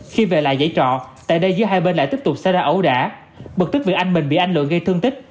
khi về lại giải trọ tại đây giữa hai bên lại tiếp tục xảy ra ấu đả bực tức vì anh mình bị anh lượng gây thương tích